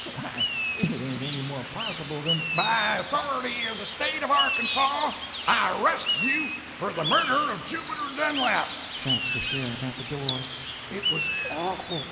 _ Why, it ain't any more possible than—" "By authority of the State of Arkansaw, I arrest you for the murder of Jubiter Dunlap!" shouts the sheriff at the door. It was awful.